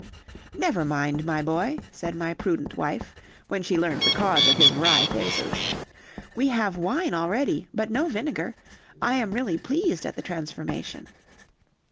"Never mind, my boy," said my prudent wife, when she learned the cause of his wry faces, "we have wine already; but no vinegar; I am really pleased at the transformation."